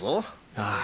ああ。